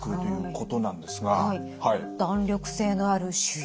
弾力性のある腫瘍